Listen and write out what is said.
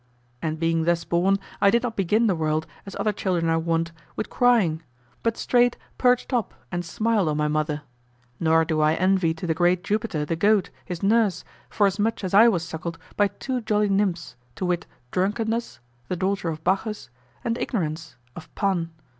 And being thus born, I did not begin the world, as other children are wont, with crying; but straight perched up and smiled on my mother. Nor do I envy to the great Jupiter the goat, his nurse, forasmuch as I was suckled by two jolly nymphs, to wit, Drunkenness, the daughter of Bacchus, and Ignorance, of Pan.